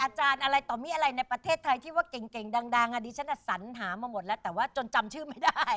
อาจารย์อะไรต่อมีอะไรในประเทศไทยที่ว่าเก่งดังอันนี้ฉันสัญหามาหมดแล้วแต่ว่าจนจำชื่อไม่ได้